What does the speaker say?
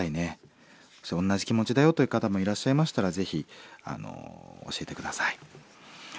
同じ気持ちだよという方もいらっしゃいましたらぜひ教えて下さい。